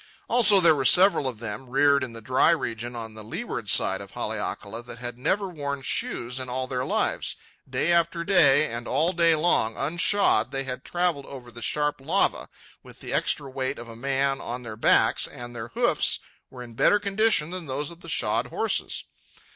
Also, there were several of them, reared in the dry region on the leeward side of Haleakala, that had never worn shoes in all their lives. Day after day, and all day long, unshod, they had travelled over the sharp lava, with the extra weight of a man on their backs, and their hoofs were in better condition than those of the shod horses.